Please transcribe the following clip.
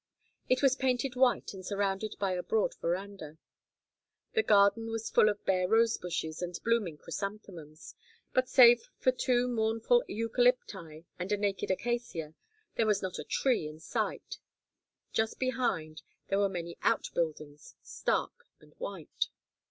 It was painted white and surrounded by a broad veranda. The garden was full of bare rosebushes and blooming chrysanthemums, but save for two mournful eucalypti and a naked acacia, there was not a tree in sight. Just behind were many out buildings, stark and white.